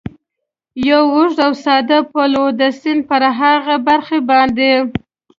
یو اوږد او ساده پل و، د سیند پر هغې برخې باندې.